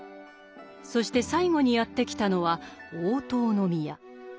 そして最後にやって来たのは大塔宮。